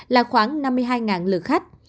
là khoảng năm mươi hai lượt khách